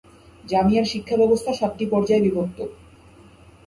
জামিয়ার শিক্ষাব্যবস্থা সাতটি পর্যায়ে বিভক্ত।